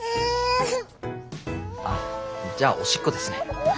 あっじゃあおしっこですね。